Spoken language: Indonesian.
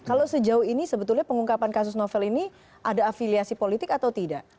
kalau sejauh ini sebetulnya pengungkapan kasus novel ini ada afiliasi politik atau tidak